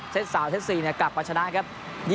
เซตสาวเซตสี่กลับมาชนะครับ